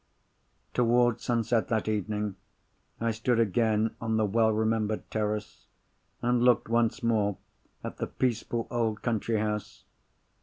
Towards sunset that evening I stood again on the well remembered terrace, and looked once more at the peaceful old country house.